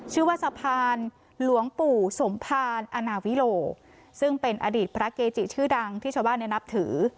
ชื่อว่าสะพานหลวงปู่สมภารอนาวิโลซึ่งเป็นอดีตพระเกจิชื่อดังที่ชาวบ้านเนี่ยนับถือ